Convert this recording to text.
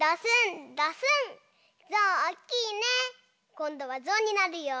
こんどはぞうになるよ。